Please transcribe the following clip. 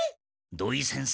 土井先生！